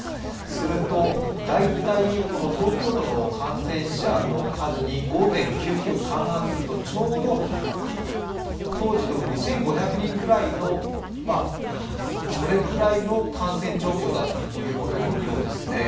すると、大体この東京都の感染者の数に５．９９を勘案すると、ちょうど当時の５５００人ぐらいの感染状況だということのようですね。